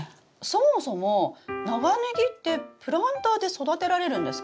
そもそも長ネギってプランターで育てられるんですか？